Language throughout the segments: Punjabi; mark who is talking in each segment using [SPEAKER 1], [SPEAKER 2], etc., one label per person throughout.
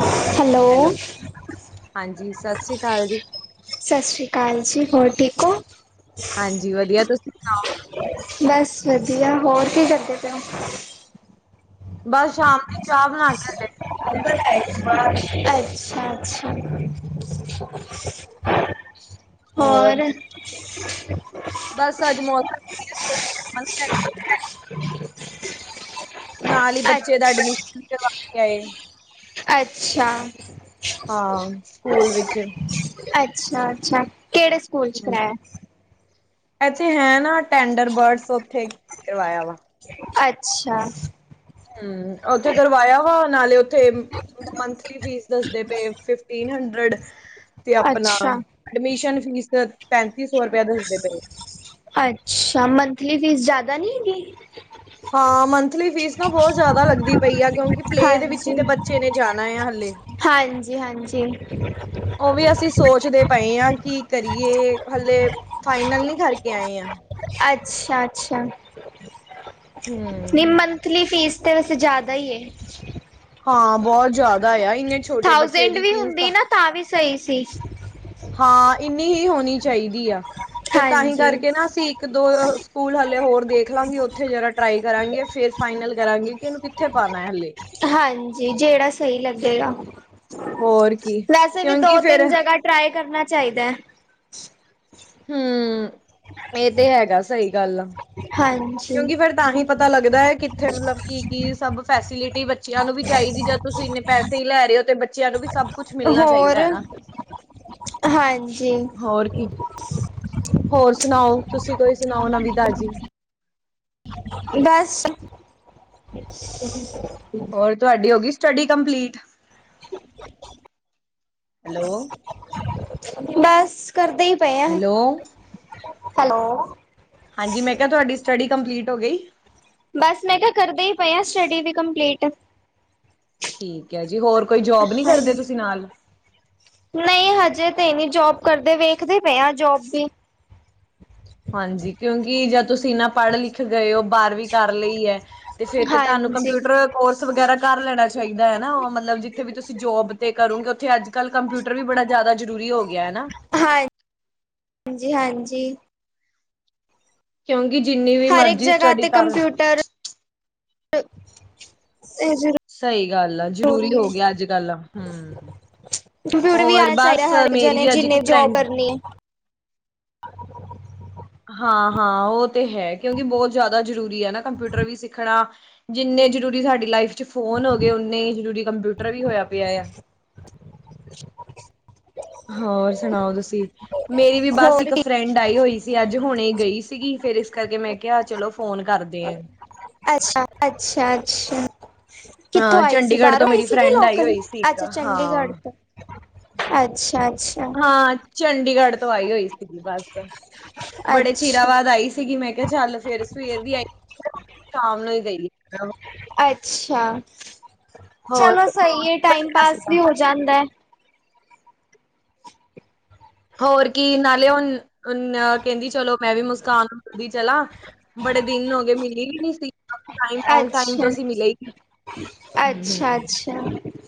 [SPEAKER 1] ਹੈਲੋ
[SPEAKER 2] ਹਾਂਜੀ ਸਤਿ ਸ੍ਰੀ ਅਕਾਲ ਜੀ।
[SPEAKER 1] ਸਸ ਸ੍ਰੀ ਕਾਲ ਜੀ ਹੋਰ ਠੀਕ ਔ।
[SPEAKER 2] ਹਾਂਜੀ ਵਧੀਆ ਤੁਸੀਂ ਸੁਣਾਓ।
[SPEAKER 1] ਬਸ ਵਧੀਆ ਹੋਰ ਕੀ ਕਰਦੇ ਪਏ ਔ।
[SPEAKER 2] ਬਸ ਸ਼ਾਮ ਦੀ ਚਾ ਬਣਾ ਕੇ ਹਟੇ ਸੀ।
[SPEAKER 1] ਅੱਛਾ-ਅੱਛਾ। ਹੋਰ
[SPEAKER 2] ਬਸ ਅੱਜ ਮੌਤਮ [inaudible] ਨਾਲ ਹੀ ਬੱਚੇ ਦਾ
[SPEAKER 1] ਅੱਛਾ
[SPEAKER 2] ਐਡਮਿਸ਼ਨ ਵੀ ਕਰਵਾ ਕੇ ਆਏ।
[SPEAKER 1] ਅੱਛਾ।
[SPEAKER 2] ਹਾਂ ਸਕੂਲ ਵਿੱਚ।
[SPEAKER 1] ਅੱਛਾ-ਅੱਛਾ ਕੇੜੇ ਸਕੂਲ ਚ ਕਰਾਯਾ।
[SPEAKER 2] ਐਥੇ ਹੈ ਨਾ ਟੈਂਡਰ ਬਰਡਸ, ਉੱਥੇ ਕਰਵਾਇਆ ਵਾ।
[SPEAKER 1] ਅੱਛਾ।
[SPEAKER 2] ਹੂੰ ਉੱਥੇ ਕਰਵਾਇਆ ਵਾ ਨਾਲੇ ਉੱਥੇ ਮੰਥਲੀ ਫੀਸ ਦੱਸਦੇ ਪਏ ਫਿਫਟੀਨ ਹੰਡਰਡ ਤੇ ਅਪਣਾ
[SPEAKER 1] ਅੱਛਾ
[SPEAKER 2] ਐਡਮਿਸ਼ਨ ਫੀਸ ਪੈਂਤੀ ਸੌ ਰੁਪਇਆ ਦੱਸਦੇ ਪਏ ਆ।
[SPEAKER 1] ਅੱਛਾ ਮੰਥਲੀ ਫੀਸ ਜਾਦਾ ਨੀ ਹੈਗੀ।
[SPEAKER 2] ਹਾਂ ਮੰਥਲੀ ਫੀਸ ਤਾਂ ਬੋਤ ਜਾਦਾ ਲੱਗਦੀ ਪਈ ਆ, ਕਿਉਂਕਿ ਪਲੇਅ ਦੇ ਵਿੱਚ ਈ ਤੇ ਬੱਚੇ ਨੇ ਜਾਣਾ ਆ ਹੱਲੇ।
[SPEAKER 1] ਹਾਂਜੀ-ਹਾਂਜੀ।
[SPEAKER 2] ਉਹ ਵੀ ਅਸੀਂ ਸੋਚਦੇ ਪਏ ਹਾਂ ਕੀ ਕਰੀਏ ਹਲੇੇ ਫਾਈਨਲ ਨੀ ਕਰਕੇ ਆਏ ਆ।
[SPEAKER 1] ਅੱਛਾ-ਅੱਛਾ
[SPEAKER 2] ਹੂੰ।
[SPEAKER 1] ਨਿਮਨ ਥਲੀ ਫੀਸ ਤਾਂ ਵੈਸੇ ਜ਼ਿਆਦਾ ਈ ਏ।
[SPEAKER 2] ਹਾਂ ਬਹੁਤ ਜ਼ਾਦਾ ਆ ਇਹਨੇ ਚ
[SPEAKER 1] ਥਾਊਜੈਂਡ ਵੀ ਹੁੰਦੀ ਨਾ ਤਾਂ ਵੀ ਸਹੀ ਸੀ।
[SPEAKER 2] ਹਾਂ ਇੰਨੀ ਹੀ ਹੋਣੀ ਚਾਹੀਦੀ ਆ, ਫਿਰ ਤਾਂਹੀ
[SPEAKER 1] ਹਾਂਜੀ
[SPEAKER 2] ਕਰਕੇ ਨਾ ਅਸੀ ਕਿ ਦੋ ਸਕੂਲ ਹਲੇੇ ਹੋਰ ਦੇਖ ਲਾਂਗੇ, ਉੱਥੇ ਜਰਾ ਟਰਾਈ ਕਰਾਂਗੇ ਫੇਰ ਫਾਈਨਲ ਕਰਾਂਗੇ ਕਿ ਇਹਨੂੰ ਕਿ ਕਿਥੇ ਪਾਣਾ ਏ ਹਲੇ।
[SPEAKER 1] ਹਾਂਜੀ ਜਿਹੜਾ ਸਹੀ ਲੱਗੇਗਾ।
[SPEAKER 2] ਹੋਰ ਕੀ
[SPEAKER 1] ਵੈਸੇ ਵੀ ਦੋ
[SPEAKER 2] ਕਿਉਂਕਿ
[SPEAKER 1] -ਤਿੰਨ
[SPEAKER 2] ਫੇਰ
[SPEAKER 1] ਜਗ੍ਹਾ ਟਰਾਈ ਕਰਨਾ ਚਾਹੀਦਾ ਐ।
[SPEAKER 2] ਹਮ ਇਹ ਤੇ ਹੈਗਾ ਸਹੀ ਗੱਲ ਆ।
[SPEAKER 1] ਹਾਂਜੀ
[SPEAKER 2] ਕਿਉਂਕਿ ਫੇਰ ਤਾਂ ਹੀ ਪਤਾ ਲੱਗਦਾ ਐ ਕਿੱਥੇ ਮਤਲਬ ਕੀ ਕੀ ਸਭ ਫੈਸਿਲਿਟੀ ਬੱਚਿਆਂ ਨੂੰ ਵੀ ਚਾਹੀਦੀ ਜਦ ਤੁਸੀਂ ਇੰਨੇ ਪੈਸੇ ਈ ਲੈ ਰਹੇ ਹੋ, ਤੇ ਬੱਚਿਆਂ ਨੂੰ ਵੀ ਸਭ ਕੁਛ ਮਿਲਣਾ
[SPEAKER 1] ਹੋਰ
[SPEAKER 2] ਚਾਹੀਦਾ ਹੈਨਾ।
[SPEAKER 1] ਹਾਂਜੀ
[SPEAKER 2] ਹੋਰ ਸੁਣਾਓ ਤੁਸੀਂ ਕੋਈ ਸੁਣਾਓ ਨਵੀਂ ਤਾਜੀ
[SPEAKER 1] ਬਸ
[SPEAKER 2] ਹੋਰ ਤੁਹਾਡੀ ਹੋ ਗਈ ਸਟੱਡੀ ਕੰਪਲੀਟ, ਹੈਲੋ
[SPEAKER 1] ਬਸ ਕਰਦੇ ਈ ਪਏ ਆ,
[SPEAKER 2] ਹੈਲੋ।
[SPEAKER 1] ਹੈਲੋ
[SPEAKER 2] ਹਾਂਜੀ ਮੈਂ ਕਿਹਾ ਤੁਹਾਡੀ ਸਟੱਡੀ ਕੰਪਲੀਟ ਹੋ ਗਈ।
[SPEAKER 1] ਬਸ ਮੈਂ ਕਿਹਾ ਕਰਦੇ ਈ ਪਏ ਆ, ਸਟੱਡੀ ਵੀ ਕੰਪਲੀਟ
[SPEAKER 2] ਠੀਕ ਐ ਜੀ, ਹੋਰ ਕੋਈ ਜੋਬ ਨੀ ਕਰਦੇ ਤੁਸੀਂ
[SPEAKER 1] ਹਾਂਜੀ
[SPEAKER 2] ਨਾਲ
[SPEAKER 1] ਨਹੀਂ ਹਜੇ ਤੇ ਨੀ ਜੋਬ ਕਰਦੇ, ਵੇਖਦੇ ਪਏ ਆ ਜੋਬ ਵੀ
[SPEAKER 2] ਹਾਂਜੀ ਕਿਉਂਕਿ ਜੋ ਤੁਸੀਂ ਨਾ ਪੜ੍ਹ- ਲਿਖ ਗਏ ਔ ਬਾਰਰਵੀ ਕਰ ਲਈ ਐ ਤੇ ਫੇਰ ਤੇ ਤੁਹਾਨੂੰ
[SPEAKER 1] ਹਾਂਜੀ
[SPEAKER 2] ਕੰਪਿਊਟਰ ਦਾ ਕੋਰਸ ਵਗੈਰਾ ਕਰ ਲੈਣਾ ਚਾਹੀਦਾ ਐ ਨਾ ਮਤਲਬ ਜਿੱਥੇ ਵੀ ਤੁਸੀਂ ਜੋਬ ਤੇ ਕਰੋਂਗੀ ਉੱਥੇ ਅੱਜ- ਕੱਲ੍ਹ ਕੰਪਿਊਟਰ ਵੀ ਬੜਾ ਜ਼ਿਆਦਾ ਜਰੂਰੀ ਹੋ ਗਿਆ ਹਨਾ।
[SPEAKER 1] ਹਾਂ ਹਾਂਜੀ, ਹਾਂਜੀ
[SPEAKER 2] ਕਿਉਂਕਿ ਜਿੰਨੀ ਵੀ
[SPEAKER 1] ਹਰਕ ਇਕ
[SPEAKER 2] ਮਰਜ਼ੀ
[SPEAKER 1] ਜਗ੍ਹਾ
[SPEAKER 2] ਸਟੱਡੀ
[SPEAKER 1] ਤੇ
[SPEAKER 2] ਕਰ
[SPEAKER 1] ਕੰਪਿਊਟਰ ਜ਼
[SPEAKER 2] ਸਹੀ ਗੱਲ ਆ ਜ਼ਰੂਰੀ ਹੋ ਗਿਆ ਅੱਜ ਕੱਲ ਹਮ
[SPEAKER 1] ਵੀ ਆ
[SPEAKER 2] ਹੋਰ
[SPEAKER 1] [inaudible] ਦਾ
[SPEAKER 2] ਬਸ
[SPEAKER 1] ਹਰ ਇੱਕ
[SPEAKER 2] ਮੇਰੀ
[SPEAKER 1] ਜਣੇ
[SPEAKER 2] ਵੀ ਅੱਜ ਇੱਕ
[SPEAKER 1] ਜਿੰਨੇ ਜੋਬ
[SPEAKER 2] ਫਰੈਂਡ
[SPEAKER 1] ਕਰਨੀ ੲੈ।
[SPEAKER 2] ਹਾਂ ਹਾਂ ਉਹ ਤੇ ਹੈ ਕਿਉਂਕਿ ਬਹੁਤ ਜ਼ਿਆਦਾ ਜ਼ਰੂਰੀ ਐ ਨਾ ਕੰਪਿਊਟਰ ਵੀ ਸਿੱਖਣਾ। ਜਿੰਨੇ ਜ਼ਰੂਰੀ ਸਾਡੀ ਲਾਈਫ ਚ ਫੋਨ ਹੋ ਗਏ, ਓਨਾ ਈ ਜ਼ਰੂਰੀ ਕੰਪਿਊਟਰ ਵੀ ਹੋਇਆ ਪਿਆ ਆ।
[SPEAKER 1] [inaudible]
[SPEAKER 2] ਹੋਰ ਸੁਣਾਓ ਤੁਸੀਂ, ਮੇਰੀ ਵੀ ਬਸ
[SPEAKER 1] ਹੋਰ
[SPEAKER 2] ਇੱਕ
[SPEAKER 1] ਕੀ
[SPEAKER 2] ਫਰੈਂਡ ਆਈ ਹੋਈ ਸੀ। ਸਿਗੀ ਅੱਜ ਹੁਣੇ ਗਈ ਸੀਗੀ ਫੇਿਰ ਇਸ ਕਰਕੇ ਮੈਂ ਕਿਹਾ ਚਲੋ ਫੋਨ ਕਰਦੇ ਆ।
[SPEAKER 1] ਅੱਛਾ, ਅੱਛਾ, ਅੱਛਾ ਕਿੱਥੋਂ
[SPEAKER 2] ਹਾਂ
[SPEAKER 1] ਆਈ ਸੀ
[SPEAKER 2] ਚੰਡੀਗੜ੍ਹ ਤੋਂ
[SPEAKER 1] ਬਾਹਰੋਂ ਆਈ
[SPEAKER 2] ਮੇਰੀ
[SPEAKER 1] ਸੀ ਕੇ
[SPEAKER 2] ਫਰੈਂਡ ਆਈ
[SPEAKER 1] ਲੋਕਲ
[SPEAKER 2] ਹੋਈ ਸੀ ਇੱਕ
[SPEAKER 1] ਅੱਛਾ, ਚੰਡੀਗੜ੍ਹ
[SPEAKER 2] ਹਾਂ।
[SPEAKER 1] ਤੋਂ ਅੱਛਾ, ਅੱਛਾ
[SPEAKER 2] ਹਾਂ ਚੰਡੀਗੜ੍ਹ ਤੋਂ ਆਈ ਹੋਈ ਸੀ ਸਿੱਧੀ ਬਸ ਚ ਬੜੇ
[SPEAKER 1] ਅੱਛਾ
[SPEAKER 2] ਚੀਰਾਵਾਦ ਆਈ ਸੀਗੀ ਮੈਂ ਕਿਹਾ ਚੱਲ ਫੇਿਰ ਸਵੇਰ ਦੀ ਆਈ ਹੋਈ ਸ਼ਾਮ ਨੂੰ ਈ ਗਈ।
[SPEAKER 1] ਅੱਛਾ
[SPEAKER 2] ਹੋਰ
[SPEAKER 1] ਚਲੋ ਸਈ ਐ ਟਾਈਮ- ਪਾਸ ਵੀ ਹੋ ਜਾਂਦਾ।
[SPEAKER 2] ਹੋਰ ਕੀ ਨਾਲੇ ਹੁਣ ਕਹਿੰਦੀ ਚਲੋ ਮੈਂ ਵੀ ਮੁਸਕਾਨ ਨੂ ਮਿਲਦੀ ਚਲਾਾਂ ਬੜੇ ਦਿਨ ਹੋ ਗਏ ਮਿਲੀ ਵੀ ਨੀ ਸੀ। ਲੋਂਗ ਟਮ
[SPEAKER 1] ਅੱਛਾ
[SPEAKER 2] ਤੋਂ ਅਸੀਂ ਮਿਲੇ ਸੀ ਹ
[SPEAKER 1] ਅੱਛਾ
[SPEAKER 2] ਹ
[SPEAKER 1] [unintelligible]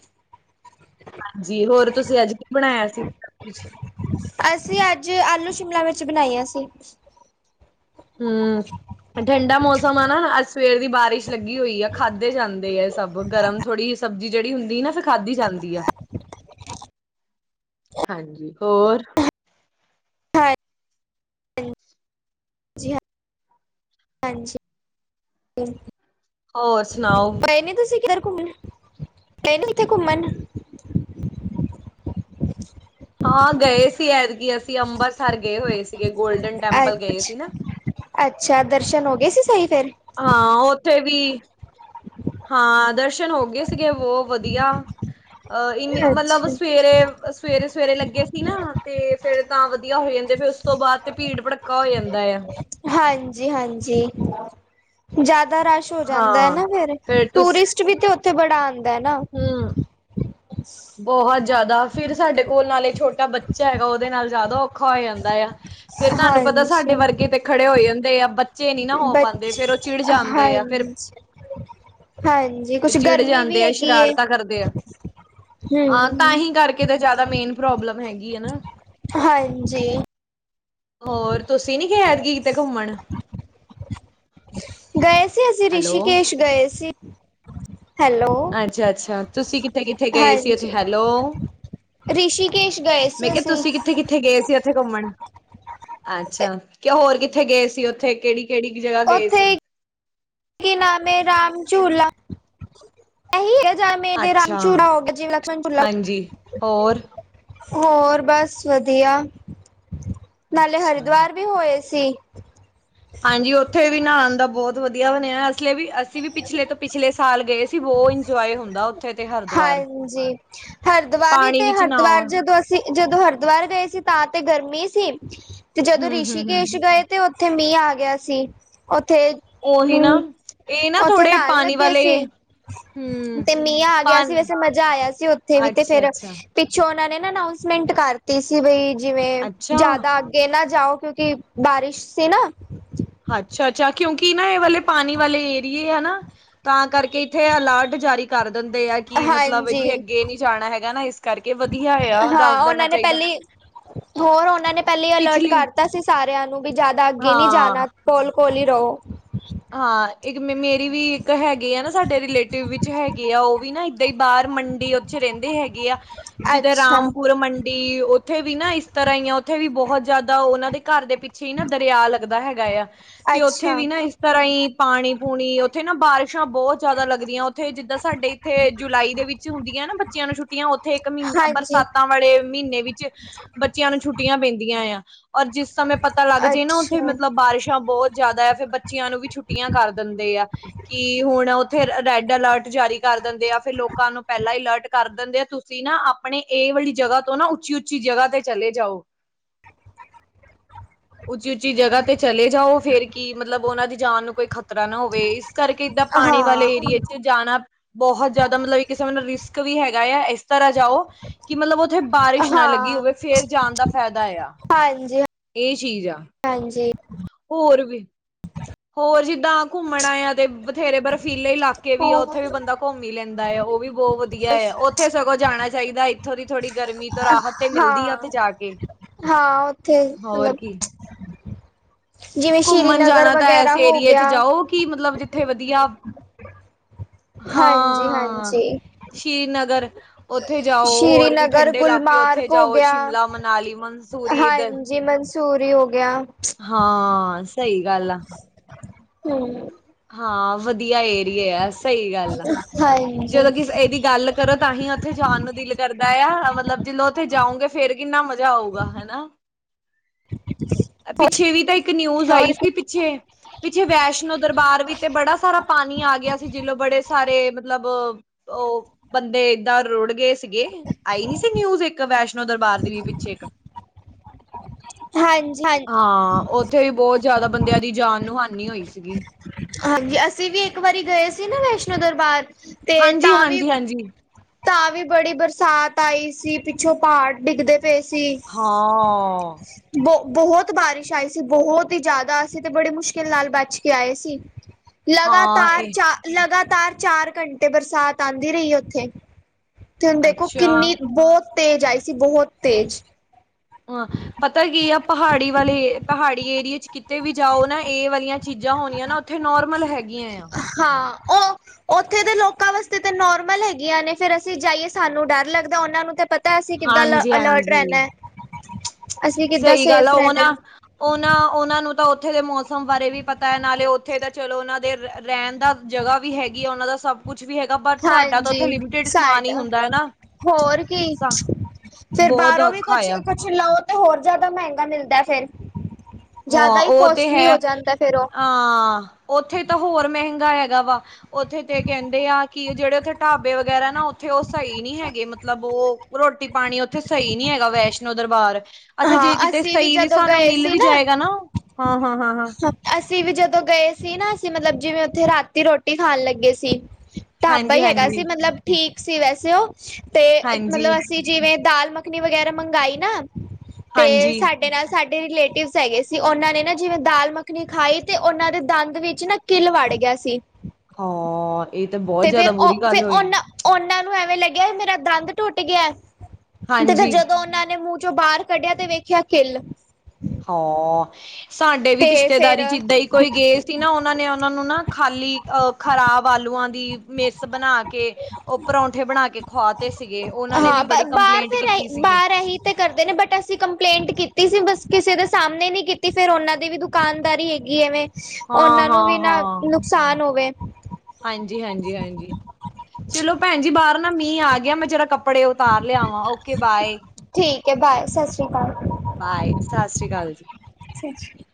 [SPEAKER 2] ਹਾਂਜੀ ਹੋਰ ਤੁਸੀਂ ਅੱਜ ਕੀ ਬਣਾਇਆ ਸੀ
[SPEAKER 1] ਅਸੀਂ ਅੱਜ ਆਲੂ ਸ਼ਿਮਲਾ ਮਿਰਚ ਬਨਾਈਆਂ ਸੀ
[SPEAKER 2] ਹੰ ਠੰਡਾ ਮੌਸਮ ਆ ਨਾ ਅਜ ਸਵੇਰ ਦੀ ਬਾਰਿਸ਼ ਲੱਗੀ ਹੋਈ ਆ ਖਾਧੇ ਜਾਂਦੇ ਐ ਸਭ ਗਰਮ ਥੋੜ੍ਹੀ ਜ ਸਬਜ਼ੀ ਜਿਹੜੀ ਹੁੰਦੀ ਨਾ ਫਿਰ ਖਾਧੀ ਜਾਂਦੀ ਵਦੀਆ
[SPEAKER 1] [unintelligible]
[SPEAKER 2] ਹਾਂਜੀ, ਹੋਰ
[SPEAKER 1] ਹਾਂਜੀ ਹਾਂਜੀ
[SPEAKER 2] ਹੋਰ ਸੁਣਾਓ
[SPEAKER 1] ਗਏ ਨੀ ਤੁਸੀਂ ਫੇਰ ਘੁੰਮਣ, ਗਏ ਨੀ ਕਿੱਥੇ ਘੁੰਮਣ
[SPEAKER 2] ਹਾਂ ਗਏ ਸੀ ਐਤਕੀ ਅਸੀਂ ਅੰਬਰਸਰ ਗਏ ਹੋਏ ਸੀਗੇ ਗੋਲਡਨ ਟੈਂਪਲ ਗਏ
[SPEAKER 1] ਅੱਛਾ
[SPEAKER 2] ਸੀ ਨਾ
[SPEAKER 1] ਅੱਛਾ ਦਰਸ਼ਨ ਹੋ ਗਏ ਸੀ ਸਹੀ ਫਿਰ
[SPEAKER 2] ਹਾਂ ਉੱਥੇ ਵੀ ਹਾਂ ਦਰਸ਼ਨ ਹੋ ਗਏ ਸੀਗੇ ਬਹੁ ਵਧੀਆ ਅਹ ਇੰਨੀ ਮਤਲਬ
[SPEAKER 1] ਅੱਛਾ
[SPEAKER 2] ਸਵੇਰੇ ਸਵੇਰੇ ਸਵੇਰੇ ਲੱਗੇ ਸੀ ਨਾ ਤੇ ਫੇਰ ਤਾਂ ਵਦੀਆ ਹੋ ਜਾਂਦੇ ਫਿਰ ਉਸ ਤੋਂ ਬਾਅਦ ਤੇ ਭੀੜ-ਭੜੱਕਾ ਹੋ ਜਾਂਦਾ ਐ
[SPEAKER 1] ਹਾਂਜੀ-ਹਾਂਜੀ, ਜ਼ਿਆਦਾ ਰਸ਼ ਹੋ ਜਾਂਦਾ ਏ ਨਾ ਫੇਰ ਟੂਰਿਸਟ ਵੀ ਤੇ ਉੱਥੇ ਬੜਾ ਆੰਦਾ ਏ ਨਾ
[SPEAKER 2] ਹਾਂ
[SPEAKER 1] [unintelligible]
[SPEAKER 2] ਬਹੁਤ ਜ਼ਿਆਦਾ ਫਿਰ ਸਾਡੇ ਕੋਲ ਨਾਲੇ ਛੋਟਾ ਬੱਚਾ ਹੈਗਾ ਉਹਦੇ ਨਾਲ ਜ਼ਿਆਦਾ ਔਖਾ ਹੋ ਜਾਂਦਾ ਆ ਫੇਰ ਤੁਹਾਨੂੰ ਪਤਾ ਸਾਡੇ
[SPEAKER 1] ਹਾਂਜੀ
[SPEAKER 2] ਵਰਗੇ ਤੇ ਖੜੇ ਹੋਏ ਜਾੰਦੇ ਆ ਬਚੇ ਨੀ ਨਾ ਹੋ
[SPEAKER 1] ਬਚ
[SPEAKER 2] ਪਾੰਦੇ ਫੇਰ, ਉਹ ਚਿੜ ਜਾਂਦੇ ਆ ਫਿਰ
[SPEAKER 1] ਹਾਂਜੀ ਹਾਂਜੀ, ਕੁਛ ਗਰਮੀ ਵੀ ਹੈਗੀ ਏ
[SPEAKER 2] ਸ਼ਰਾਰਤਾ ਕਰਦੇ ਆ ਹਾਂ ਤਾਂ
[SPEAKER 1] ਹਮ
[SPEAKER 2] ਹੀ ਕਰਕੇ ਤਾਂ ਜ਼ਿਆਦਾ ਮੇਨ ਪ੍ਰੋਬਲਮ ਹੈਗੀ ਏ ਨਾ
[SPEAKER 1] ਹਾਂਜੀ
[SPEAKER 2] ਹੋਰ ਤੁਸੀਂ ਨੀ ਗਏ ਐਤਕੀ ਕਿਤੇ ਘੁੰਮਣ
[SPEAKER 1] ਗਏ ਸੀ ਅਸੀਂ
[SPEAKER 2] ਹੈਲੋ
[SPEAKER 1] ਰਿਸ਼ੀਕੇਸ਼ ਗਏ ਸੀ, ਹੈਲੋ।
[SPEAKER 2] ਅੱਛਾ-ਅੱਛਾ, ਤੁਸੀਂ ਕਿੱਥੇ-ਕਿੱਥੇ ਗਏ ਸੀ ਉੱਥੇ,
[SPEAKER 1] ਹਾਂਜੀ
[SPEAKER 2] ਹੈਲੋ
[SPEAKER 1] ਰਿਸ਼ੀਕੇਸ਼ ਗਏ ਸੀ ਅਸੀਂ।
[SPEAKER 2] ਤੁਸੀ ਕਿੱਥੇ-ਕਿੱਥੇ ਗਏ ਸੀ ਉੱਥੇ ਘੁੰਮਣ, ਅੱਛਾ ਕਿ ਹੋਰ ਕਿੱਥੇ ਗਏ ਸੀ ਉੱਥੇ ਕਿਹੜੀ ਕਿਹੜੀ ਕਿ ਜਗ੍ਹਾ ਗਏ ਸੀ?
[SPEAKER 1] ਉੱਥੇ ਕੀ ਨਾਮ ਏ ਇਹਦਾ ਝੂਲਾ ਇਹੀ ਹੈ ਜਾਦਾ ਮੇਨ ਤੇ ਰਾਮ
[SPEAKER 2] ਅੱਛਾ
[SPEAKER 1] ਚੂਲਾ ਹੋ ਗਿਆ, ਜਿਵੇ ਲਛਮਣ ਚੂਲਾ
[SPEAKER 2] ਹਾਂਜੀ ਹੋਰ
[SPEAKER 1] ਹੋਰ, ਬਸ ਵਧੀਆ, ਨਾਲੇ
[SPEAKER 2] ਅੱਛਾ
[SPEAKER 1] ਹਰਿਦੁਵਾਰ ਵੀ ਹੋ ਆਏ ਸੀ
[SPEAKER 2] ਹਾਂਜੀ, ਉੱਥੇ ਵੀ ਨਾਨ ਦਾ ਬਹੁਤ ਵਦੀਆ ਬਨਿਆ ਅਸਲੇ ਵੀ ਅਸੀਂ ਵੀ ਪਿਛਲੇ ਤੋਂ ਪਿਛਲੇ ਸਾਲ ਗਏ ਬਹੁਤ ਇੰਜੋਏ ਹੁੰਦਾ ਉੱਥੇ ਤੇ ਹਰਿਦੁਆਰ
[SPEAKER 1] ਹਾਂਜੀ, ਹਰਿਦੁਆਰ ਵੀ
[SPEAKER 2] ਪਾਣੀ
[SPEAKER 1] ਤੇ
[SPEAKER 2] ਵਿੱਚ ਨਾਓ
[SPEAKER 1] ਹਰਿਦੁਆਰ ਜਦੋਂ ਅਸੀ ਜਦੋਂ ਹਰਿਦੁਆਰ ਗਏ ਸੀ, ਤਾਂ ਤੇ ਗਰਮੀ ਸੀ ਤੇ ਜਦੋਂ
[SPEAKER 2] ਹਮ ਹਮ ਹਮ
[SPEAKER 1] ਰਿਸ਼ੀਕੇਸ਼ ਗਏ ਤੇ ਉੱਥੇ ਮੀਂਹ ਆ ਗਿਆ ਸੀ, ਉੱਥੇ
[SPEAKER 2] ਉਹੀ ਨਾ
[SPEAKER 1] ਹੁੰ,
[SPEAKER 2] ਇਹ ਨਾ
[SPEAKER 1] ਉੱਥੇ
[SPEAKER 2] ਥੋੜੇ
[SPEAKER 1] ਨਾਨ
[SPEAKER 2] ਪਾਣੀ
[SPEAKER 1] ਲੱਗੇ
[SPEAKER 2] ਵਾਲੇ
[SPEAKER 1] ਸੀ
[SPEAKER 2] ਹਮ
[SPEAKER 1] ਤੇ ਮੀਂਹ ਆ
[SPEAKER 2] ਪਾ
[SPEAKER 1] ਗਿਆ ਵੈਸੇ ਮਜਾ ਆਇਆ ਸੀ ਉੱਥੇ ਵੀ ਤੇ,
[SPEAKER 2] ਅੱਛਾ
[SPEAKER 1] ਫੇਰ
[SPEAKER 2] ਅੱਛਾ
[SPEAKER 1] ਪਿੱਛੋਂ ਉਹਨਾ ਨੇ ਨਾ ਅਨਾਊਸਮੈਂਟ ਕਰ ਤੀ ਸੀ ਬਈ, ਜਿਵੇਂ
[SPEAKER 2] ਅੱਛਾ
[SPEAKER 1] ਜ਼ਿਆਦਾ ਅੱਗੇ ਨਾ ਜਾਓ ਕਿਉਂਕਿ ਬਾਰਿਸ਼ ਸੀ ਨਾ
[SPEAKER 2] ਅੱਛਾ-ਅੱਛਾ ਕਿਉਂਕਿ ਨਾ ਇਹ ਵਾਲੇ ਪਾਨੀ ਵਾਲੇ ਏਰੀਏ ਏਨਾ ਤਾਂ ਕਰਕੇ ਇੱਥੇ ਅਲਰਟ ਜਾਰੀ ਕਰ ਦਿੰਦੇ ਆ ਕਿ ਮਤਲਬ
[SPEAKER 1] ਹਾਂਜੀ
[SPEAKER 2] ਇੱਥੇ ਅੱਗੇ ਨਹੀਂ ਜਾਣਾ ਹੈਗਾ ਨਾ, ਇਸ ਕਰਕੇ ਕਿ ਵਧੀਆਂ ਆ, ਦੱਸ
[SPEAKER 1] ਹਾਂ
[SPEAKER 2] ਦੇਣਾ
[SPEAKER 1] ਉਹਨਾਂ ਨੇ
[SPEAKER 2] ਚਾਈਦਾ।
[SPEAKER 1] ਪਹਿਲੀ ਹੋਰ ਉਹਨਾਂ ਨੇ ਪਹਿਲੇ ਈ ਅਲਰਟ ਕਰਤਾ ਸੀ ਸਾਰਿਆਂ ਨੂੰ ਵੀ ਜਿਆਦਾ ਅੱਗੇ ਨੀ
[SPEAKER 2] ਹਾਂ
[SPEAKER 1] ਜਾਣਾਂ। ਕੋਲ-ਕੋਲ ਈ ਰੋਅ।
[SPEAKER 2] ਹਾਂ, ਇੱਕ ਮ ਮੇਰੀ ਵੀ ਇੱਕ ਹੈਗੀ ਆ ਨਾ, ਸਾਡੇ ਰਿਲੇਟਿਵ ਵਿ ਹੈਗੇ ਆ ਉਹ ਵੀ ਨਾ, ਏਦਾਂ ਹੀ ਬਾਹਰ ਮੰਡੀ ਉਦੇ ਚ ਰਹਿੰਦੇ ਹੈਗੇ ਆ। ਜਿੱਥੇ
[SPEAKER 1] ਅੱਛਾ,
[SPEAKER 2] ਰਾਮਪੁਰ, ਮੰਡੀ ਉੱਥੇ ਵੀ ਨਾ ਇਸ ਤਰ੍ਹਾਂ ਹੀ ਆ, ਉੱਥੇ ਵੀ ਬਹੁਤ ਜ਼ਿਆਦਾ ਉਹਨਾਂ ਦੇ ਘਰ ਦੇ ਪਿ -ਛੇ ਨਾ ਦਰਿਆ ਲੱਗਦਾ ਹੈਗਾ ਆ। ਤੇ ਉੱਥੇ
[SPEAKER 1] ਅੱਛਾ।
[SPEAKER 2] ਵੀ ਨਾ, ਇਸ ਤਰ੍ਹਾਂ ਈ ਪਾਨੀ-ਪੂਣੀ ਉੱਥੇ ਨਾ ਬਾਰਿਸ਼ਾਂ ਬਹੁਤ ਜ਼ਿਆਦਾ ਲੱਗਦੀਆਂ ਉੱਥੇ, ਜਿੱਦਾਂ ਸਾਡੇ ਇੱਥੇ ਜੁਲਾਈ ਦੇ ਵਿੱਚ ਹੁੰਦੀਆਂ ਨਾ ਬੱਚਿਆਂ ਨੂੰ ਛੁੱਟੀਆਂ, ਉੱਥੇ ਇੱਕ ਮਹੀਨਾ
[SPEAKER 1] ਹਾਂਜੀ,
[SPEAKER 2] ਬਰਸਾਤਾਂ ਵਾਲੇ ਮਹੀਨੇ ਵਿੱਚ ਬੱਚਿਆਂ ਨੂੰ ਛੁੱਟੀਆਂ ਪੈਂਦੀਆਂ‌‌ ਆ, ਔਰ ਜਿਸ ਸਮੇਂ ਪਤਾ ਲੱਗ ਜੇ ਨਾ ਉੱਥੇ
[SPEAKER 1] ਅੱਛਾ,
[SPEAKER 2] ਮਤਲਬ ਬਾਰਿਸ਼ਾਂ ਬਹੁਤ ਜ਼ਿਆਦਾ ਆ, ਫੇਰ ਬੱਚਿਆਂ ਨੂੰ ਵੀ ਛੁੱਟੀਆਂ ਕਰ ਦਿੰਦੇ ਆ। ਕਿ ਹੁਣ ਉੱਥੇ ਰੈੱਡ ਅਲਰਟ ਜਾਰੀ ਕਰ ਦਿੰਦੇ ਆ ਫੇਰ, ਲੋਕਾਂ ਨੂੰ ਪਹਿਲਾਂ ਅਲਰਟ ਕਰ ਦਿੰਦੇ ਆ ਤੁਸੀਂ ਤੁਸੀਂ ਨਾ ਆਪਣੇ ਇਹ ਵਾਲੀ ਜਗ੍ਹਾ ਤੋਂ ਨਾ ਉੱਚੀ-ਉੱਚੀ ਜਗ੍ਹਾ ਤੇ ਚਲੇ ਜਾਓ।
[SPEAKER 1] [inaudible]
[SPEAKER 2] ਉੱਚੀ-ਉੱਚੀ ਜਗ੍ਹਾ ਤੇ ਚਲੇ ਜਾਓ ਫੇਰ ਕੀ ਮਤਲਬ, ਉਹਨਾਂ ਦੀ ਜਾਨ ਨੂੰ ਕੋਈ ਖ਼ਤਰਾ ਨਾ ਹੋਵੇ। ਇਸ ਕਰਕੇ ਏਦਾਂ ਪਾਣੀ ਵਾਲੇ
[SPEAKER 1] ਹਾਂ,
[SPEAKER 2] ਏਰੀਏ ਜਾਣਾ ਬਹੁਤ ਜ਼ਿਆਦਾ ਮਤਲਬ ਇਕ ਕਿਸਮ ਨਾਲ ਰਿਸਕ ਵੀ ਹੈਗਾ ਆ, ਇਸ ਤਰ੍ਹਾਂ ਜਾਓ ਕਿ ਮਤਲਬ ਓ ਉੱਥੇ ਬਾਰਿਸ਼ ਨਾ ਲੱਗੀ
[SPEAKER 1] ਹਾਂ,
[SPEAKER 2] ਹੋਵੇ, ਫੇਰ ਜਾਣ ਦਾ ਫਾਇਦਾ ਆ।
[SPEAKER 1] ਹਾਂਜੀ,
[SPEAKER 2] ਇਹ ਚੀਜ਼ ਆ
[SPEAKER 1] ਹਾਂਜੀ।
[SPEAKER 2] ਹੋਰ ਵੀ ਹੋਰ, ਜਿੱਦਾਂ ਘੁੰਮਣ ਆਇਆ ਤੇ ਬਥੇਰੇ ਬਰ -ਫੀਲੇ ਇਲਾਕੇ ਵੀ ਆ।
[SPEAKER 1] ਹੋਰ
[SPEAKER 2] ਉੱਥੇ ਵੀ ਬੰਦਾ ਘੁੰਮ‌ ਈ ਲੈਂਦਾ ਆ, ਉਹ ਵੀ ਬਹੁਤ ਵਧੀਆ
[SPEAKER 1] ਬਸ
[SPEAKER 2] ਆ, ਉੱਥੇ ਸਗੋਂ ਜਾਣਾ ਚਾਹੀਦਾ। ਥੋੜੀ-ਥੋੜੀ, ਗਰਮੀ ਤੋਂ ਰਾਹਤ ਤੇ ਮਿਲਦੀ ਆ ਉੱਥੇ
[SPEAKER 1] ਹਾਂ,
[SPEAKER 2] ਜਾ ਕੇ।
[SPEAKER 1] ਹਾਂ, ਉੱਥੇ
[SPEAKER 2] ਹੋਰ
[SPEAKER 1] ਮਤਲਬ
[SPEAKER 2] ਕੀ
[SPEAKER 1] ਜਿਵੇਂ
[SPEAKER 2] ਘੁੰਮਣ
[SPEAKER 1] ਸ਼੍ਰੀਨਗਰ
[SPEAKER 2] ਜਾਣਾ ਤਾਂ ਐਸ
[SPEAKER 1] ਵਗੈਰਾ ਹੋ
[SPEAKER 2] ਏਰੀਏ ਚ
[SPEAKER 1] ਗਿਆ।
[SPEAKER 2] ਜਾਓ ਕਿ ਮਤਲਬ ਜਿੱਥੇ ਵਧੀਆ
[SPEAKER 1] ਹਾਂਜੀ,
[SPEAKER 2] ਹਾਂ,
[SPEAKER 1] ਹਾਂਜੀ
[SPEAKER 2] ਸ਼੍ਰੀਨਗਰ। ਉੱਥੇ ਜਾਓ, ਹੋਰ ਵੀ
[SPEAKER 1] ਸ਼੍ਰੀਨਗਰ,
[SPEAKER 2] ਠੰਡੇ ਇਲਾਕੇ ਉੱਥੇ
[SPEAKER 1] ਗੁਲਮਾਰਗ ਹੋ
[SPEAKER 2] ਜਾਓ।
[SPEAKER 1] ਗਿਆ।
[SPEAKER 2] ਸ਼ਿਮਲਾ, ਮਨਾਲੀ, ਮਨਸੂਰੀ ਇਧਰ
[SPEAKER 1] ਚੋਰੀ ਹੋ ਗਿਆ।
[SPEAKER 2] ਹਾਂ, ਸਹੀ ਗੱਲ ਆ।
[SPEAKER 1] ਹੂੰ।
[SPEAKER 2] ਹਾਂ ਵਧੀਆ ਏਰੀਆ ਆ ਸਹੀ ਗੱਲ ਆ,
[SPEAKER 1] ਹਾਂਜੀ
[SPEAKER 2] ਜਦੋਂ ਕਿਸ ਇਹਦੀ ਗੱਲ ਕਰੋ ਤਾਂ ਹੀ ਉੱਥੇ ਜਾਣ ਨੂੰ ਦਿਲ ਕਰਦਾ ਆ, ਮਤਲਬ ਜਦੋਂ ਉੱਥੇ ਜਾਊਂਗੇ ਫੇਰ ਕਿੰਨਾ ਮਜ਼ਾ ਆਊਗਾ। ਹਨਾ।
[SPEAKER 1] [unintelligible]
[SPEAKER 2] ਪਿੱਛੇ ਵੀ ਤਾਂ ਇੱਕ ਨਿਊਜ਼ ਆਈ
[SPEAKER 1] ਹੋਰ ਕੀ
[SPEAKER 2] ਸੀ ਪਿੱਛੇ- ਪਿੱਛੇ ਵੈਸ਼ਨੋ ਦਰਬਾਰ ਵੀ ਤੇ ਬੜਾ ਸਾਰਾ ਪਾਣੀ ਆ ਗਿਆ ਸੀ, ਜਿਲੋਂ ਬੜੇ ਸਾਰੇ ਮਤਲਬ ਓ ਬੰਦੇ ਏਦਾਂ ਰੁੜਗੇ ਸੀਗੇ। ਆਈ ਨੀ ਸੀ ਨਿਊਜ਼ ਇੱਕ ਵੈਸ਼ਨੋ ਦਰਬਾਰ ਦੀ ਵੀ ਪਿੱਛੇ ਇੱਕ।
[SPEAKER 1] [inaudible] ਹਾਂਜੀ, ਹਾਂਜੀ।
[SPEAKER 2] ਹਾਂ ਉੱਥੇ ਵੀ ਬਹੁਤ ਜ਼ਿਆਦਾ ਬੰਦਿਆਂ ਦੀ ਜਾਨ ਨੂੰ ਹਾਨੀ ਹੋਈ ਸੀਗੀ।
[SPEAKER 1] ਹਾਂਜੀ ਅਸੀਂ ਵੀ ਇੱਕ ਵਾਰੀ ਗਏ ਸੀ ਨਾ ਵੈਸ਼ਨੋ ਦਰਬਾਰ ਤੇ
[SPEAKER 2] ਹਾਂਜੀ
[SPEAKER 1] ਤਾਂ ਵੀ
[SPEAKER 2] ਹਾਂਜੀ ਹਾਂਜੀ
[SPEAKER 1] ਤਾਂ ਵੀ ਬੜੀ ਬਰਸਾਤ ਆਈ ਸੀ, ਪਿੱਛੋਂ ਪਹਾੜ ਡਿੱਗਦੇ ਪੇ ਸੀ।
[SPEAKER 2] ਹਾਂ
[SPEAKER 1] ਬਹੁ ਬਹੁਤ ਬਾਰਿਸ਼ ਆਈ ਸੀ ਬਹੁਤ ਈ ਜ਼ਿਆਦਾ, ਅਸੀ ਤੇ ਬੜੀ ਮੁਸ਼ਕਿਲ ਨਾਲ ਬਚ ਕੇ ਆਏ ਸੀ,
[SPEAKER 2] ਹਾਂ
[SPEAKER 1] ਲਗਾਤਾਰ
[SPEAKER 2] ਇਹ
[SPEAKER 1] ਚਾਰ ਲਗਾਤਾਰ ਚਾਰ ਘੰਟੇ ਬਰਸਾਤ ਆਂਦੀ ਰਈਏ ਓਥੇ। ਤੇ ਹੁਨ ਦੇਖੋ
[SPEAKER 2] ਅੱਛਾ
[SPEAKER 1] ਕਿੰਨੀ ਬੋਤ ਤੇਜ ਆਈ ਸੀ ਬਹੋਤ ਤੇਜ।
[SPEAKER 2] ਹਾਂ। ਪਤਾ ਕੀ ਆ ਪਹਾੜੀ ਵਾਲੇ ਪਹਾੜੀ ਏਰੀਏ ਚ ਕਿਤੇ ਵੀ ਜਾਓ ਨਾ, ਏ ਵਾਲੀਆਂ ਚੀਜਾਂ ਹੋਣੀਆਂ ਨਾ ਓਥੇ ਨੋਰਮਲ ਹੈਗੀਆਂ ਆ।
[SPEAKER 1] ਹਾਂ ਓ ਓਥੇ ਦੇ ਲੋਕਾਂ ਵਾਸਤੇ ਤਾਂ ਨੋਰਮਲ ਹੈਗੀਆਂ ਨੇ, ਫੇਰ ਅਸੀਂ ਜਾਈਏ ਸਾਨੂੰ ਡਰ ਲੱਗਦਾ ਓਨਾਂ ਨੂੰ ਤੇ ਪਤਾ ਤਾਂ ਅਸੀਂ ਕਿੱਦਾਂ ਅ
[SPEAKER 2] ਹਾਂਜੀ
[SPEAKER 1] ਅਲਰਟ
[SPEAKER 2] ਹਾਂਜੀ।
[SPEAKER 1] ਰੈਣਾ, ਅਸੀਂ ਕਿੱਦਾਂ ਸੇਫ ਰੈਂਣਾ।
[SPEAKER 2] ਓਨਾਂ ਓਨਾਂ ਨੂੰ ਤਾਂ ਓਥੇ ਦੇ ਮੌਸਮ ਬਾਰੇ ਵੀ ਪਤੈ ਨਾਲੇ ਓਥੇ ਤਾਂ ਚਲੋ ਓਨਾਂ ਦੇ ਰੈਣ ਦਾ ਜਗ੍ਹਾ ਵੀ ਹੈਗੀ ਆ, ਓਨਾਂ ਦਾ ਸਭ ਕੁਛ ਵੀ ਹੈਗਾ ਬਟ ਸਾਡਾ ਤਾਂ
[SPEAKER 1] ਹਾਂਜੀ,
[SPEAKER 2] ਉੱਥੇ ਲਿਮਟਿਡ ਸਮਾਨ ਹੀ
[SPEAKER 1] ਸਾਡਾ
[SPEAKER 2] ਹੁੰਦਾ ਹੈ ਨਾ।
[SPEAKER 1] ਹੋਰ ਕੀ ਫੇਰ
[SPEAKER 2] ਬਹੁਤ
[SPEAKER 1] ਬਾਹਰੋਂ ਵੀ
[SPEAKER 2] ਔਖਾ
[SPEAKER 1] ਕੋਛ
[SPEAKER 2] ਆ
[SPEAKER 1] ਕੋਛ ਲਓ ਤੇ ਹੋਰ ਜਾਦਾ ਮੈਂਗਾ ਮਿਲਦਾ ਫੇਰ। ਜਾਦਾ
[SPEAKER 2] ਹਾਂ
[SPEAKER 1] ਈ
[SPEAKER 2] ਉਹ ਤੇ
[SPEAKER 1] ਕੋਸਟਲੀ
[SPEAKER 2] ਹੈ
[SPEAKER 1] ਹੋ ਜਾਂਦਾ ਫੇਰ ਓ।
[SPEAKER 2] ਹਾਂ, ਓਥੇ ਤਾਂ ਹੋਰ ਮੈਂਹਗਾ ਹੈਗਾ ਵਾ। ਓਥੇ ਤੇ ਕੈਦੇ ਆ ਕਿ ਜੇੜੇ ਓਥੇ ਢਾਬੇ ਵਗੈਰਾ ਨਾ ਓਥੇ ਓ ਸਈ ਨੀ ਹੈਗੇ ਮਤਲਬ ਓ ਰੋਟੀ-ਪਾਣੀ ਓਥੇ ਸਹੀ ਨਈ ਹੈਗਾ, ਵੈਸ਼ਨੋ ਦਰਬਾਰ। ਅੱਛਾ
[SPEAKER 1] ਹਾਂ
[SPEAKER 2] ਜੇ ਕਿਤੇ
[SPEAKER 1] ਅਸੀਂ
[SPEAKER 2] ਈ ਵੀ
[SPEAKER 1] ਜਦੋਂ
[SPEAKER 2] ਸਾਨੂੰ
[SPEAKER 1] ਗਏ
[SPEAKER 2] ਮਿਲ
[SPEAKER 1] ਸੀ
[SPEAKER 2] ਵੀ ਜਾਏਗਾ ਨਾ, ਹਾਂ-ਹਾਂ-ਹਾਂ-ਹਾਂ।
[SPEAKER 1] ਅਸੀਂ ਵੀ ਜਦੋਂ ਗਏ ਸੀ ਨਾ ਅਸੀਂ ਮਤਲਬ ਜਿਵੇਂ ਓਥੇ ਰਾਤੀ ਰੋਟੀ ਖਾਣ ਲੱਗੇ ਸੀ। ਢਾਬਾ
[SPEAKER 2] ਹਾਂਜੀ
[SPEAKER 1] ਹੀ ਹੈਗਾ ਸੀ
[SPEAKER 2] ਹਾਂਜੀ
[SPEAKER 1] ਮਤਲਬ ਠੀਕ ਸੀ ਵੈਸੇ ਓ, ਤੇ
[SPEAKER 2] ਹਾਂਜੀ
[SPEAKER 1] ਮਤਲਬ ਅਸੀ ਜਿਵੇਂ ਦਾਲ ਮੱਖਣੀ ਵਗੈਰਾ ਮੰਗਾਈ ਨਾ ਤੇ
[SPEAKER 2] ਹਾਂਜੀ
[SPEAKER 1] ਸਾਡੇ ਨਾਲ ਸਾਡੇ ਰਿਲੇਟਿਵਸ ਹੈਗੇ ਸੀ ਓਨਾਂ ਨੇ ਨਾ ਜਿਵੇਂ ਦਾਲ ਮੱਖਣੀ ਖਾਈ ਤੇ ਓਨਾਂ ਦੇ ਦੰਦ ਵਿੱਚ ਨਾ ਕਿੱਲ ਵੜ ਗਿਆ ਸੀ।
[SPEAKER 2] ਹਾਂ! ਏ ਤਾਂ ਬੋਤ ਜਾਦਾ ਬੁਰੀ ਗੱਲ ਹੋਈ।
[SPEAKER 1] ਓਨਾਂ ਨੂੰ ਐਵੇਂ ਲੱਗਿਆ ਮੇਰਾ ਦੰਦ ਟੁੱਟ ਗਿਆ ਤੇ, ਫਿਰ
[SPEAKER 2] ਹਾਂਜੀ
[SPEAKER 1] ਜਦੋਂ ਓਨਾਂ ਨੇ ਮੂੰਹ ਚੋਂ ਬਾਰ ਕੱਢਿਆ ਤੇ ਵੇਖਿਆ ਕਿੱਲ।
[SPEAKER 2] ਹਾਂ! ਸਾਡੇ ਵੀ
[SPEAKER 1] ਤੇ ਫਿਰ
[SPEAKER 2] ਰਿਸ਼ਤੇਦਾਰੀ ਚ ਇਦਾਂ ਈ ਕੋਈ ਗਏ ਸੀ ਨਾ ਓਨਾਂ ਨੇ ਓਨਾਂ ਨੂੰ ਨਾ ਖਾਲੀ ਅਹ ਖਰਾਬ ਆਲੂਆਂ ਦੀ ਮੇਸ ਬਣਾ ਕੇ ਓ ਪਰੌਂਠੇ ਬਣਾ ਕੇ ਖਆ ਤੇ ਸੀਗੇ, ਓਨਾਂ ਨੇ ਵੀ
[SPEAKER 1] ਹਾਂ ਬ
[SPEAKER 2] ਬੜੀ
[SPEAKER 1] ਬਾਹਰ
[SPEAKER 2] ਕੰਪਲੇਂਟ
[SPEAKER 1] ਫਿਰ ਇਹੀ
[SPEAKER 2] ਕੀਤੀ ਸੀਗੀ।
[SPEAKER 1] ਬਾਹਰ ਇਹੀ ਕਰਦੇ ਨੇ ਬਟ, ਅਸੀਂ ਕੰਪਲੇਂਟ ਕੀਤੀ ਸੀ ਬਸ ਕਿਸੇ ਦੇ ਸਾਮਣੇ ਨੀ ਕੀਤੀ ਫੇਰ ਓਨਾਂ ਦੀ ਵੀ ਦੁ ਕਾਨਦਾਰੀ ਹੈਗੀ ਐਵੇਂ
[SPEAKER 2] ਹਾਂ
[SPEAKER 1] ਓਨਾਂ ਨੂੰ
[SPEAKER 2] ਹਾਂ
[SPEAKER 1] ਵੀ ਨਾ ਨੁਕਸਾਨ ਹੋਵੇ।
[SPEAKER 2] ਹਾਂਜੀ-ਹਾਂਜੀ-ਹਾਂਜੀ। ਚਲੋ ਭੈਣ ਜੀ ਬਾਰ ਨਾ ਮੀਂਹ ਆ ਗਯਾ। ਮੈਂ ਜਰਾ ਕੱਪੜੇ ਉਤਾਰ ਲਿਆਵਾਂ, ਓਕੇ ਬਾਏ।
[SPEAKER 1] ਠੀਕੈ, ਬਾਏ ਸਤਿ ਸ਼੍ਰੀ ਕਾਲ।
[SPEAKER 2] ਬਾਏ, ਸਤਿ ਸ਼੍ਰੀ ਅਕਾਲ ਜੀ।
[SPEAKER 1] ਅੱਛਾ ਜੀ।